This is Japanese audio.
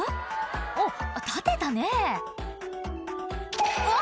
おっ立てたねうわ！